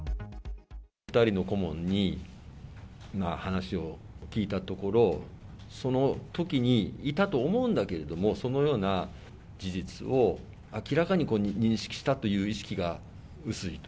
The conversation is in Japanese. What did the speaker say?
２人の顧問に話を聞いたところ、そのときにいたと思うんだけれども、そのような事実を明らかに認識したという意識が薄いと。